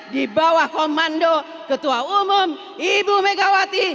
di bawah komando ketua umum ibu megawati